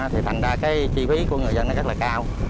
thì thành ra cái chi phí của người dân nó rất là cao